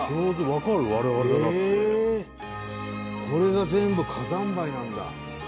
これが全部火山灰なんだ。